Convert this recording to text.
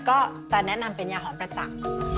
ก็จะแนะนำเป็นยาหอนประจักษ์